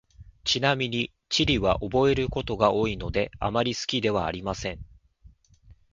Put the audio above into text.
ちなみに、地理は覚えることが多いので、あまり好きではありません。